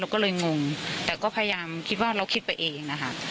ก็เลยงงแต่ก็พยายามคิดว่าเราคิดไปเองนะคะ